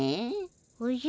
おじゃ？